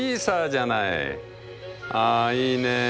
あいいね。